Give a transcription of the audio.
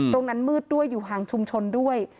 ตรงนั้นมืดด้วยอยู่ห่างชุมชนด้วย